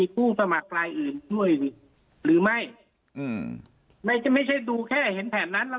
คู่สมัครลายอื่นด้วยหรือไม่ไม่ใช่ดูแค่เห็นแผ่นนั้นแล้ว